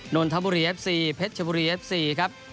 นนทบุรีเอฟซีเพชรชบุรีเอฟซีครับ